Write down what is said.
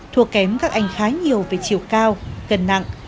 thua kém các anh khá nhiều về chiều cao gần nặng